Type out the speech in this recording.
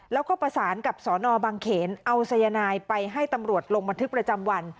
แล้วก็ประสานกับสนบางเขนเอาสายนายไปให้ตำรวจลงบันทึกประจำวัน